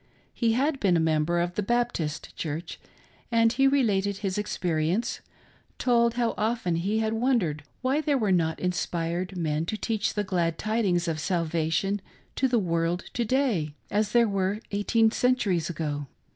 He had been a member of the Baptist church, and he related his experience, told how often he had wondered why there were not inspired men to preach the glad tidings of salvation to the world to day, as there were eighteen centuries ago.